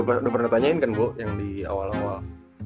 itu udah pernah ditanyain kan gue yang di awal awal